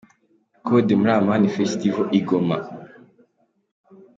Kode muri Amani Festival i Goma.